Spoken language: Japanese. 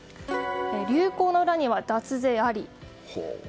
流行のウラには脱税あり。